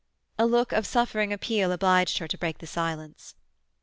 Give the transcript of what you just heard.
A look of suffering appeal obliged her to break the silence.